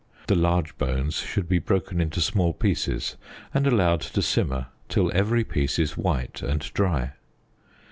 The large bones should be broken into small pieces, and allowed to simmer till every piece is white and dry.